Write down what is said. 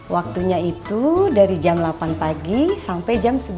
waktunya itu dari jam delapan pagi sampai jam sebelas